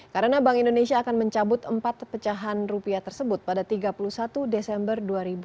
karena bank indonesia akan mencabut empat pecahan rupiah tersebut pada tiga puluh satu desember dua ribu delapan belas